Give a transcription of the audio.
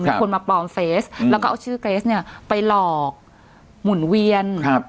มีคนมาปลอมเฟสแล้วก็เอาชื่อเกรสเนี่ยไปหลอกหมุนเวียนครับ